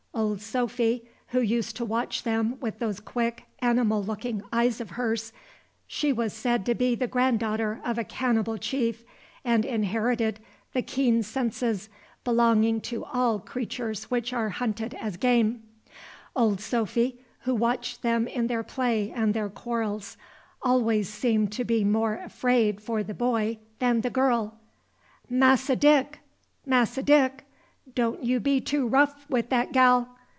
Old Sophy, who used to watch them with those quick, animal looking eyes of hers, she was said to be the granddaughter of a cannibal chief, and inherited the keen senses belonging to all creatures which are hunted as game, Old Sophy, who watched them in their play and their quarrels, always seemed to be more afraid for the boy than the girl. "Masse Dick! Masse Dick! don' you be too rough wi' dat gal!